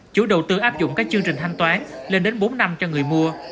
chủ đầu tư áp dụng các chương trình thanh toán lên đến bốn năm cho người mua